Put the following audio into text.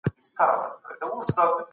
لس منفي لس؛ صفر کېږي.